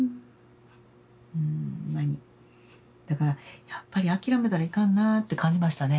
だからやっぱり諦めたらいかんなって感じましたね。